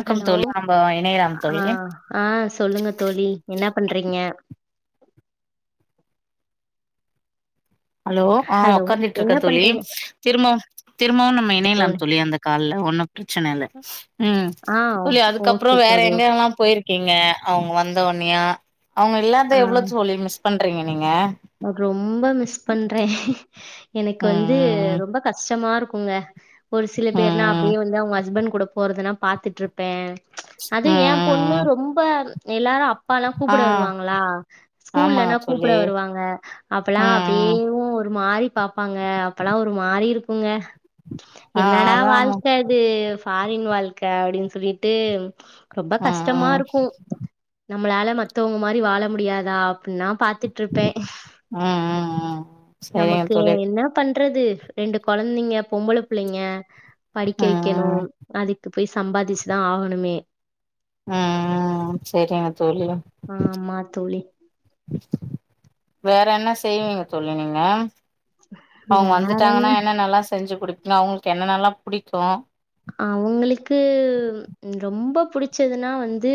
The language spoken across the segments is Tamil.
வணக்கம் ஹலோ தோழி நம்ம இணையலாம் தோழி ஆஆ சொல்லுங்க தோழி என்ன பண்றிங்க ஹலோ ஆ ஹலோ என்ன ஒக்காந்துட்டுயிர்க்கேன் தோழி பண்றீங்க திரும்பவும் திரும்பவும் நம்ம இணையலாம் தோழி அந்த கால்ல ஒன்னு பிரச்சனையில்ல ம் ஆ தோழி ஓகே அதுகப்புறம் தோழி வேறஎங்க எங்க ஓகே யில்லா போயிரு கீங்க அவங்க வந்த ஒன்னையா அவங்க இல்லாது எவ்ளோ தோழி மிஸ் பண் றிங்கன் பட் ரொம்ப மிஸ் பண்றே எனக் வந்து ம் ரொம்ப கஷ்டமாயிருக் குங்க ஒரு சில ம் பேர்னா ம் அப்டியே வந்து அவுங்க ஹஸ்பண் கூட போறதுனாப் பாத்துட்ரிப்ப ம் ம் அதும் ஏ பொண்ணு ம் ம் ரொம்ப எல்லாரு அப் அப்பாலா ஆ கூப்ட வருவாங்களா ஆமாங்க ஸ்கூல்னா கூப்ட தோழி வருவாங் க அப்பலா ம் ம் அப்டியேவு ஒரு மாரி பாப்பாங்க அப்பலா ஒரு மாரி றிருக்குங்க ஆ என்னடா அதா ஆமா. வாழ்க அது ஃபாரின் வாழ்க அப்டின் சொல்லிட்டு ரொம்ப ம் ம் கஷ்டமாருக்கும் நம்ளால மத்தவங்க மாரி வாழ முடியாதா அப்புனாப் பாத்திட் ம் ம் ம் சரிங்க நமக்கு தோழி என்னா பண் றது ரெண்டு கொழந்தைங்க பொம்பள பிள்ளைங்க படிக்க ம் வெக்கணு ம் அதுக்குப் போயி சம்பாதிச்சிதா ஆகணுமே ம் ம் செரிங்க தோழி ஆமா தோழி. வேற என்ன செய்விங்க தோலி நீங்க அவுங்க வந்துடாங்கனா என்ன நல்ல செஞ்சி குடுப்பிங் இங்க அவுங்ளுக் என்னன்னல்லா புடிக்கும் அவுங்ளுக்கு ரொம்ப புடிச்சதுன்னா வந்து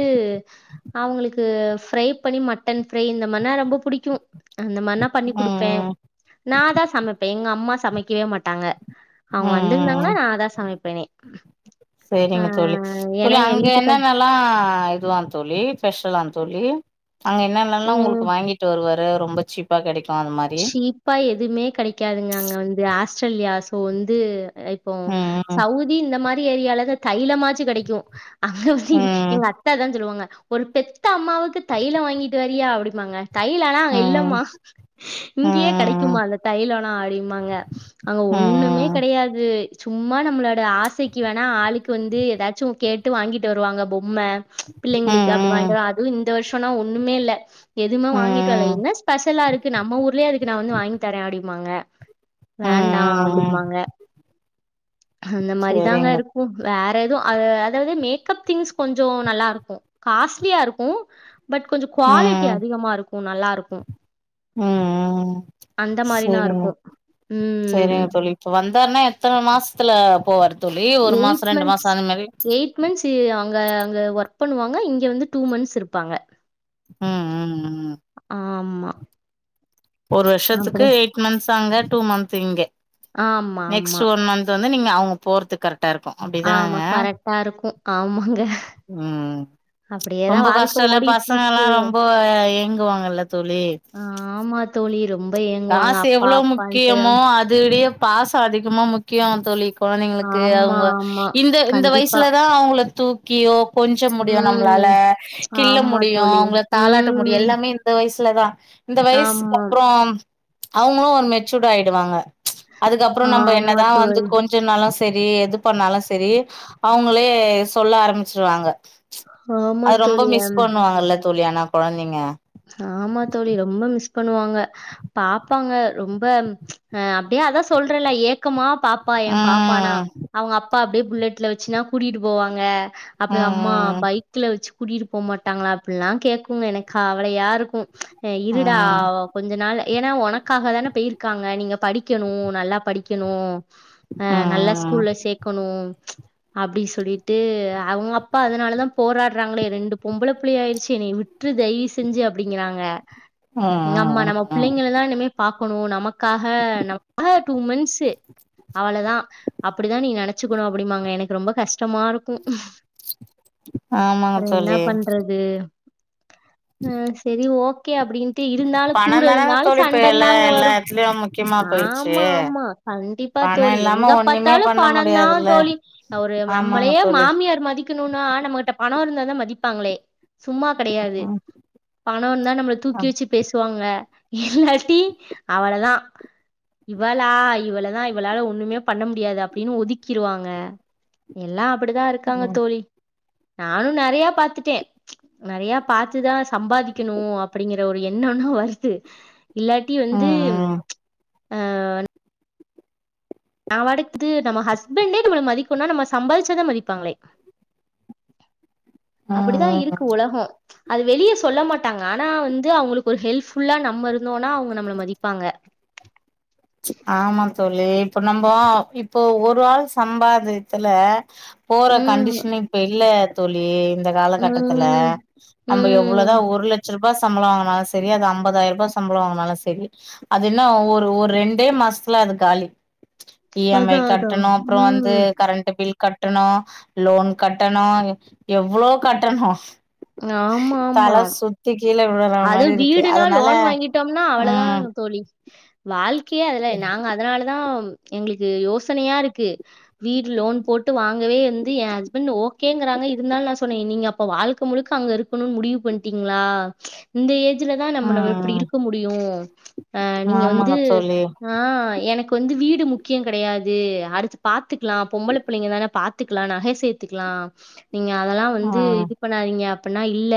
அவுங்ளுக்கு ஃப்ரை பண்ணி மட்டன் ஃப்ரை இந்தமார்னா ரொம்ப புடிக்கும் அந்த மாரினா பண்ணி ம் குடுப்ப ம் நா தா சமைப்பே எங்கம் அம்மா சமைக்கவே மாட்டாங்க ம் அவுங்க ம் வந்திருந்தாங்கன்னா ம் நா தா சமைப் தெரியும் ம் சேரிங்க தோழி இல்ல அங்க வீட்டுக்கார் என்னன்னல்லாம் யுவான் தோழி ஃபெஷ்லான் தோழி அங்க என்னனென்னலாம் உங்களுக்கு ம் வாங்கிட்டு வருவாரு எல்லாம் ரொம்ப சீப்பா கெடைக்கு அந்த மாரி சீப்பா எதுவுமே கெடைக்காதுங்க அங்க வந்து ஆஸ் திரேலியா சூழ்ந்து இப்போ ம் சவுதி இந்த மா ரி ஏரியால தான் தையல மா ச்சி கெடைக்கும் [unintelligible] ம் எங்க அத்ததான் சொல்லுவாங்க ஒரு பெத்த அம்மாவுக்கு தையிலம் வாங்கிட்டு வரியா அப்டிபம்பாங்க தையிலலா அங்க ம் இல்லம்மா இங்கேயே கெடைக்குமா ம் அந்த தையிலலா அப்டின்பாங்க அங்க ம் ஒன்னுமே ம் கெடையாது ஏ சும்மா நம்மளோட ஆசைக்கு வேணா ஆளுக்கு வந்து எதாச்சும் கேட்டு வாங்கிட்டு வருவாங்க போயி ம் ம ம் பிள்ளைங்களுக்கு அப்படி ம் வாங்கிட்டு வா அதுவும் இத்தனவருஷம்னா ஒன்னுமே இல்ல எதுவுமே ம் ம் ம் ம் ம் வாங்கிட்டு வர்ல ம் என்னா ஸ்பெஷலா இருக் நம்ம ஊர்லயே அதுக்கு நான் வந்து வாங்கி தரேன் அப்டின்பாங்க வேண்டாம் ம் ம் அப்டின்பாங்க அந்த மாரி தாங்க இருக்கும் வே எதும் அது அதாவது மேக்கப் திங்ஸ் கொஞ்சம் நல்லா இருக்கும் காஸ்ட்லியா இருக்கும் பட் கொஞ்சம் குவாலிட்டி அதிகமா இருக் கும் நல்லா இருக்கும் ம் ம் ம் மாரினா செரிங்க இருக்கு ம் செரிங்க தோழி இப்ப வந்தாருன்னா எத்தன மா துல போவாரு தோழி ஒரு எயிட் மாசோ ரெண்டு மாசோ மந்த்ஸ் அந்த மாரி எயிட் மந்த்ஸ் அங்க அங்க ஒர்க் பண்ணுவாங்க இங்க வந்து டூ மந்த்ஸ் இருப்பாங்க ம் ம் ம் ஆமா ஒரு வருஷத்துக்கு அப்படி எயிட் மந்த்ஸ் அங்க டூ மந்த் இங்க ஆமா நெக்ஸ்ட் ஆமா ஒன் மன்த் வந்து நீங்க அவுங் போறது கரெக்ட் ஆமா கரெக்டா இருக்கு ஆமாங்க ம் அப்படியேதா ரொம்ப கஷ்டோ வாழ்க்க இல்ல ஓடிட்டு பசங்க எல்லா இருக்கு ரொம்ப ஏங்குவாங்கல்ல தோழி ஆமா தோழி ரொம்ப ஏங்குவாங்க காசு அப்பா எவ்வளவு அப்பான்ட்டு முக்கியமோ அதோடே பாசோ அதிகமா முக்கிய கியா தோழி கொழந்தைங்களுக்கு ஆமா அவங்க ஆமா இந்த இந்த கண்டிப்பா வயசுல தா அவங்கள தூக் கியோ கொஞ்ச முடியு நம்ம ம் அவங்களால கிள்ள ஆமா முடியு தோழி அவங்கள தாலாட்ட முடியு ம் எல்லாமே இந்த வயசு லதா இந்த வயசுக்கு ஆமா அப்புறோ அவங்களு ஒரு மெச்சூர்ட் ஆயிடுவாங்க அதுக்கப்புறோ நம்ப ஆமா என்னதா வந்து தோழி கொஞ்சநாளா சரி எது பண்ணாலு சரி அவங்களே சொல்ல ஆரம்பிச்சிருவாங்க ஆமா அது ரொம்ப தோழி மிஸ் ஹம், பண்ணுவாங்கல்ல தோழி ஆனா கொழந்தைங்க ஆமா தோழி ரொம்ப மிஸ் பண்ணுவாங்க பாப்பாங்க ரொம்ப அ அப்படியே அதா சொல்றேன்ல ஏக்கமா பாப்பா என் பாப்பானா ம் அவங்க அப்பா அப்பா அப்படியே புல்லெட்ல வச்சுன்னா கூட்டிட்டு போவாங்க அப்புடி அம்மா ம் ம் பைக்ல வச்சு கூட்டிட்டு போ மாட்டாங்களா அப்படினுலா கேக்குங்க எனக்கு கவலையா இருக்கு இருடா ம் கொஞ்ச நாள்ல ஏன்னா உனக்காக தானே போயிருக்காங்க நீங்க படிக்கணு நல்லா படிக்கணு அ ம் நல்லா ஸ்கூல்ல ம் சேக்கணு அப்டி சொல்லிட்டு அவங்க அப்பா அதனாலதா போராடுறாங்களே ரெண்டு பொம்பள புள்ளை ஆயிடுச்சு என்ன விட்டுறு தயவு செ செஞ்சு அப்படிங்கிறாங்க ஆமா ம் ம் நம்ம ம் பிள்ளைங்கலலா இனிமே பாக் க்கணு நமக் காக [unintelligible] டூ மந்த்ஸு அவ்ளதா அப்பிடிதா நீ நெனச்சுக்கனு அப்டிம்பாங்க எனக்கு ரொம்ப கஷ்டமா இருக்கு ஆமாங்க அப்ற என்ன தோழி பண்றது கே அப்டின்ட்டு இருந்தாலு கூட பணம் தானங்க இருந்தாலு தோழி இப்ப சண்டன் எல்லா தாங்க எல்லா வரு எடத்துலயு முக்கியமா போயிடுச்சு ஆமா ஆமா கண்டிப்பா பணோ தோழி இல்லாம எங்க ஒண்ணுமே பாத்தாலு பண்ண பணந்தா முடியாதுல்ல தோழி ஒரு ஆமாங்க நம்மளயே தோழி மாமியார் மதிக்கனுன்னா நம்மகிட்ட பண இருந்தா தா மதிப்பாங்ளே சும்மா கடையாது ம் பணெ இந்தா நம்மள தூக்கி ம் வச்சு பேசுவாங்க இல்லாட்டி அவளதா இவளா இவளதா இவளால ஒன்னுமே பண்ண முடியாது அப்டின்னு ஒதுக்கிருவாங்க எல்லா அ ப்புடிதா இருக்காங்க ம் தோழி நானு நறையா பாத்துட்டே நறையா பாத்துதா சம்பாதிக்கெனு அப்பிடிங்கிற ஒரு எண்ணொனா வருது இல்லாட்டி வந்து ம் ஆ நா [unintelligible] நம்ம ஹஸ்பண்டே நம்மள மதிக்கொன்னா நம்ம சம்பாதிச்சாதா மதிப்பாங்ளே அப்புடிதா ம் ம் இருக்கு உலகொ அது வெளிய சொல்ல மாட்டாங்க ஆனா வந்து அவுங்களுக்கு ஒரு ஹெல்ஃபுல்லா நம்ம இருந்தோனா அவுங்க நம்மள மதிப்பாங்க ஆமா தோழி இப்ப நம்ப இப்ப ஒரு ஆள் சம்பாதியத்துல போற ம் கண்டிஷன்ல இப்ப இல்ல தோழி இந்த காலகட்டத்துல ம் நம்ப எவ்ளொதா ம் ஒரு லட்ச ரு பா சம்பள வாங்குனாலு சரி அந்த அம்பதாயிருபா சம்பள வாங்குனாலு செரி அது என்ன ஒரு ஒரு ரெண் டே மாசத்துல அது காலி இ எம் ஐ அதான் அதான் கட்டனு அப்றொ வந்து ம் கரண்ட்டு பில் கட்டனு லோன் கட்டனு எவ்ளோ கட்டனு தல சுத்தி கீழ விழுற அது மாரி இருக்கு வீடுனா அதனால லோன் வாங்கிட்டம்னா அவ்ள தா ம் தோழி வாழ்க்கையே அதுல நாங்க அதுனாலதா எங்ளுக்கு யோசனையா இருக்கு வீடு லோன் போட்டு வாங்கவே வந்து எ ஹஸ்பண்ட் ஓகேங்குறாங்க இருந்தாலு நா சொன்னே நீங்க அப்ப வாழ்க்க முழுக்க அங்க இருக்கனுன் முடிவு பண்ட்டீங்ளா இந்த ஏ ஞ்சுலதா நம்ம நம்ம இப்படி ம் இருக்க முடியு ஆ நீங்க வந்து ஆமாங்க தோழி ஆ எனக் இப்ப வந்து வீடு முக்கியங் கெடையாது அடுத்து பாத்துக்கலா பொம்பள பிள்ளைங்கதான பாத்துக்கலா நகை சேத்துக்கலா நீங்க அதெல்லா வந்து ம் இது பண்ணாதீங்க அப்பன்னா இல்ல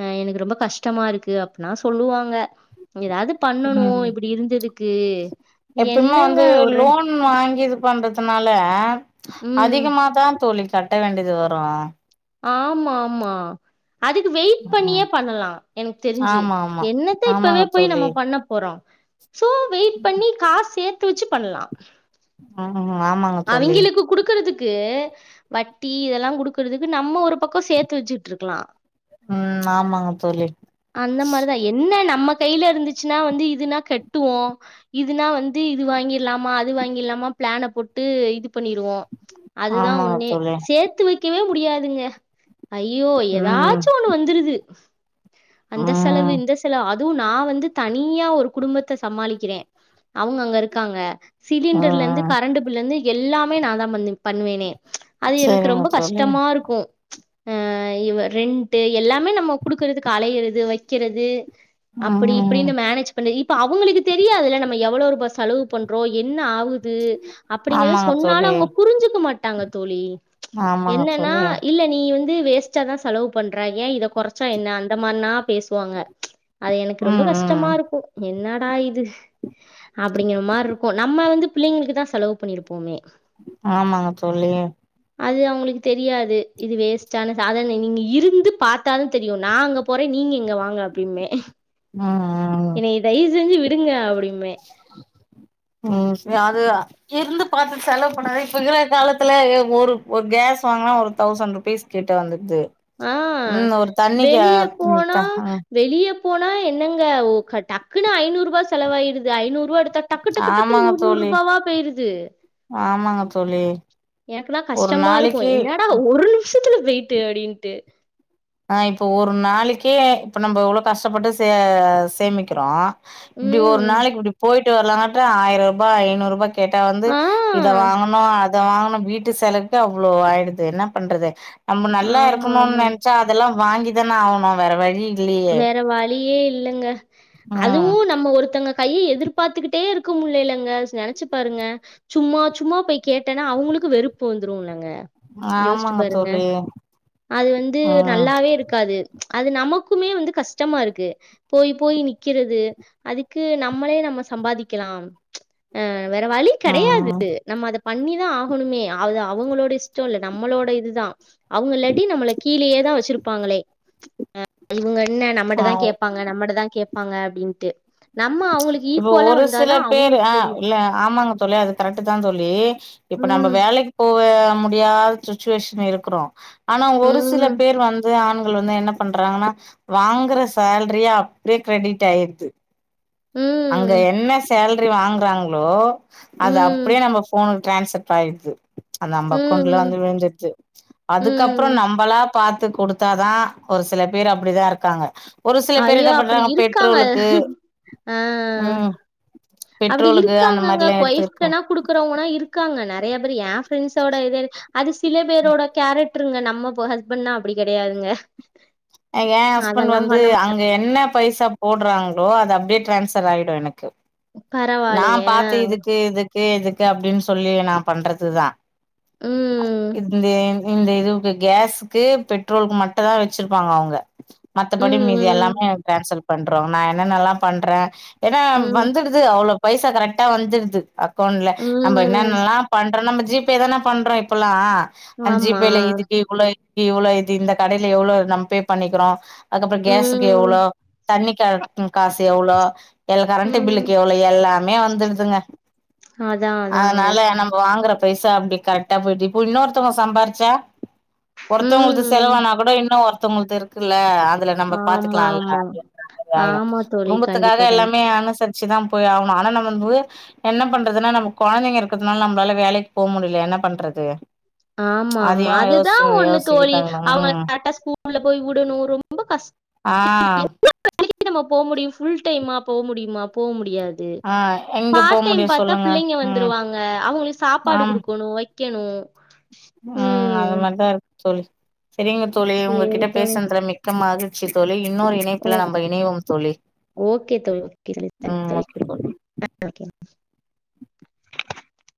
ஆ எனக்கு ரொம்ப கஷ்டமா இருக்கு அப்பில்லா சொல்லுவாங்க ஏதாவது பண்ணணு ம் இப்படி இருந்ததுக்கு எப்பயுமே என்னங்க வந்து ஒரு லோன் வாங்கி இது பண்றதுனால ம் அதிகமாதா தோழி கட்ட வேண்டியது வரு ஆமா ஆமா அதுக்கு வெயிட் பண்ணியே பண்ணலா எனக்கு தெரிஞ்சு ஆமா ஆமா என்னத்த இப்பவே ஆமாங்க போய் தோழி நம்ம பண்ண போறோ சோ வெயிட் பண்ணி காசு சே த்து வெச்சு பண்ணலா ஆ அவிங்களுக்கு குடுக்கறதுக் கு வட்டி இதெல்லாங் குடுக்கறதுக்கு நம்ம ஒரு பக்கோ சேத்து வச்சுட்ருக்கலா ம் ஆமாங்க தோழி அந்த மாரிதா என்ன நம்ம கைல இருந்துச்சுன்னா வந்து இதுனா கட்டுவோ இதுனா வந்து இது வாங்கிறலாமா அது வாங்கிறலாமா பிளான போட் டு இது பண்ணிருவோ அதுதா ஆமாங்க ஒன்னே தோழி சேத்து வைக்கவே முடியாதுங்க ஐயோ ம் எதாச்சு ஒண்ணு வந்துருது அந்த செலவு ம் இந்த செலவு அ துவு நா வந்து தனியா ஒரு குடும்பத்த சமாளிக்கிறே அவங்க அங்க இருக்காங்க சிலிண்டர்ல இருந்து ம் கரண்டு பில்ல இருந்து எல்லாமே நான்தா பண்ணு பண்ணுவேனே அது எனக்கு சரிங்க ரொம்ப தோழி கஷ்டமா இருக்கு ஆ இவ ரெண்ட்டு எல்லாமே நம்ம குடுக்குறது க்கு அலையறது வைக்கிறது அப்படி ம் இப்படின்னு மேனேஜ் பண்றது இ அப்ப அவங்களுக்கு தெரியாதில்ல நம்ம எவ்வளோ ருபா செலவு பண்றோ என்ன ஆவு குது அப்படிங்கிற ஆமாங்க சொன்னாலு தோழி அவுங்க புரிஞ்சிக்க மாட் ட்டாங்க தோழி ஆமாங்க என்னன்னா தோழி இல்ல நீ வந் து வேஸ்ட்டா தான் செலவு பண்ற ஏன் இத கொறைச்சா என்ன அந் த மாரினா பேசுவாங்க அது எனக்கு ரொம்ப ம் ம் கஷ்டமா இருக்கும் என்ன டா இது அப்டிங்கிற மாரி இருக்கும் நம்ம வந்து பிள்ளைங்களுக்கு தான் செலவு பண்ணிருப்போமே ஆமாங்க தோழி அது அவுங்களுக்கு தெரியாது இது வேஸ்ட்டான சாதன நீங்க இருந்து பாத்தாலு தெரியும் நாங்க போறே நீங்க இங்க வாங்க அப்டீம்பே ம் ம் என்னைய தயவு செஞ்சி வி டுங்க அப்டி ம் சரி அது இருந்து பாத்து செலவு கும் பழைய இப்பகிற காலத்துல எ ஒரு ஒரு கேஸ் வாங்கனா ஒரு தௌசண்ட் ருபீஸ் கிட்ட வந்துடுது ஆ ம் ஒரு தண்ணிக்கு வெளிய போனா வெளிய போனா என்னங்க ஓ டக்குனு ஐநூறுபா செலவாயிடுது ஐநூறுபா எடுத் டக்கு டக்கு டக்குன்னு ஆமாங்க தோழி நூற்நூரூபாவா போயிருது ஆமாங்க தோழி எனக்குலா ஒரு கஷ்டமா இருக்கும் நாளைக்கு என்னடா ஒரு நிமிஷத்துல வெய் தேடின் தே ஆ இப்போ ஒரு நாளிக்கே இப்ப நம்போ எவ்ளோ கஷ்டப்பட்டு சே சேமிக்கிறோ இப்டி ஒரு ம் நாளைக்கு இப்டி போய் டு வரலாங்கட்டியு ஆயிரூபா ஐநூரூபா கேட்டா வந்து ஆ இத வாங்கணோ அ த வாங்குணோ வீட்டு செலவுக்கு அவ்ளோ ஆயிடுது என்ன பண்றது நம்ப நல்லா இருக்கணும்னு ஆமாமா நெ அதெல்லா வாங்கி தான ஆவுனோ வேற வழி இல்லையே வேற வலியே இல்லங்க ம் அதுவு நம்ம ஒருத்தங்க கைய எதிர்பாத்துக்கிட்டே இருக்க முடிலங்க நெனச்சி பாருங்க சும்மா சும்மா போய் கேட்டேன்னா அவுங்களுக்கும் வெறுப்பு வந்துரும் இல்லங்க யோசிச்சி ஆமாங்க பாருங்க தோழி அது வந்து ம் நல்லாவே இருக்காது அது நமக் க்குமே வந்து கஷ்டமா இருக்கு போய் போய் நிக்கிறது அதுக்கு நம்மளே நம்ம சம்பாதிக்கலா அ வேற வழி ம் கெடையாது நம்ம அத பண்ணிதா ஆகணுமே அது அவங்களோட ஸ் டோ இல்ல நம்மளோட இதுதா அவுங்க இல்ல டி நம்மள கீழியேதா வச்சிருப் ப்பாங்களே அ இவுங்க இன்ன நம்மட்டதா ஆ கேப்பாங்க நம்மட்டதா கேப் ப்பாங்க அப்பிடின்ட்டு இப்போ ஒரு சில பேரு ஆ தெரியும். இல்ல ஆமாங்க தோழி அது கரெக்ட்தா தோழி இப்ப நம்ப வேலைக்கு போவே முடியாத சுச்சுவேஷன்ல இருக்குறோ ஆனா ஒரு சில ம், பேர் வந்து ஆண் க்குள் வந்து என்ன பண்றாங்கன்னா வாங்குற சேலரியே அப்பிடியே கிரிடிட் ஆயிருது அங்க ம், என்ன சேல் ட்ரி வாங்கறாங்களோ அது ம், அப்பிடியே நம்ம ஃபோன் டிரான்ஸ்ப்பா ஆயிது அது நம்ம அக்கௌண்ட்ல ம், வந்து விழுந்து து அதுக்கப்புறோ ம். நம்மளா பாத்து குடுத்தாதா ஒரு சில பேர் அப்பிடிதா இருக்காங்க ஒரு சில பேர் ஐயோ! என்னா அப்படி பண்றாங்க இருக்காங்க. பெட்ரோலுக்கு ஆ ம் அப்பிடி பெட்ரோலுக்கு அந்த இருக்காங்கங்க மாரிலா எடுத்துருக்க கொய்ஃப்ட்ட குடுக்குறவங்கனா இருக்காங்க நெறைய பேர் ஏ ஃபிரெண்ட்ஸோட எத அது சில பேரோட கேரக்ட்ருங்க நம்ம ஹஸ்பண்ட்னா அப்பிடி கெடையாதுங்க ஏ ஹஸ்பண்ட் வந்து அங்க து என்ன பைசா போடறாங்களோ அது அப்பிடியே டிரான்ஸ்சர் ஆயிடு எனக்கு நா பரவாயில்லையே! பாத்த இதுக்கு இது கே எதுக்கு அப்பிடின்னு சொல்லி நா பண்றதுதா ம், இந்திங் இந்த இதுவுக்கு கேஸுக்கு பெட்ரோலுக்கு மட்டு தா வெச்சுருப்பாங்க அவங்க மத்தபடி மீதி ம், எல்லாமே டிரான்சல் பண்றோ நா என்னன்னல்லா பண்ற ஏன்னா ம், வந்துடுது அவ்ளோ பைசா கரெக்டா வந்துருது அக் கவுண்ட்ல நம்ப ம். என்னனென்னல்லா பன் பண்ற நம்ம ஜிபே தான பண்றோ இப்பெல்லா அஞ்சு ஆமா. பேல இதுக்கு இவ்ளோ இவ்வளோ இது இந்த கடைல எவ்வளோ இது நம் பே பண்ணிக்கிறோ அதுக்கப்புறோ கேஸுக்கு எவ்வளோ ம், தண்ணி கா காஸ் எவ்வளோ எல்லா கரண்ட்டு ம். பில்லுக்கு எவ்ளோ இ எல்லாமே வந்துருதுங்க அதான், அதாங்க. அதனால நம்ப வாங் வாங்குற பைசா அப்டி கரெக்டா போயிட்டு இப்ப இன்னொருத்தவங்க சம்பாரிச்சா ஒருத்தவங்களுது ம். செலவானா கூட இன்னு ஒருத் தவங்களுது இருக்குல்ல அ அதுல நம்ப ஆமா, பாத்துக்களால்ல ஆமா. அப்டின்ற மாரி ஆயிட ஆமா தோழி. குடும்பத்துக்காக கண்டிப்பா, கண் எல்லாமே அனுசருச் சிதாம் போய் ஆகணு ஆனா நம்ப வந்து என்ன பண்றதுன்னா நம்ம கொழந்தைங்க இருக்குறதுனால நம்ளால வேலைக் போக முடில என்ன பண்றது ஆமா ஆமா அதையு அதுதா யோசிச்சு ஒண்ணு தோழி யோசிக்கதாங்கணு அவுங்கல ம் கரெக்டா ஸ்கூல்ல போய் உடணு ரொம்ப கஷ் ஆ வேலைக்கி நம்ம போ முடியு ஃபுல் டைமா போ முடியுமா போ முடியாது து ஆ எங்க போ பார்ட் டைம் முடியு பாத்தா சொல்லுங்க புள்ளைங்க ம் வந்துருவாங்க அவுங்களுக்கு சாப்பாடு ஆம் குடுக்கணு வெக்கணு ம் அது மாரிதா இருக் தோழி சேரிங்க தோழி சரி உங்ககிட்ட தோழி. பேசுனதுல மிக்க மகிழ் ச்சி தோழி இன்னொரு ஓ இணைப்புல நம்ப இணைவோம் தோழி ஓகே தோழி. ஓகே தோழி. தேங்க்ஸ் ம் ஓகே தோழி [inaudible]